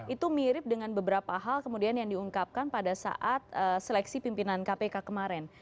itu mirip dengan beberapa hal kemudian yang diungkapkan pada saat seleksi pimpinan kpk kemarin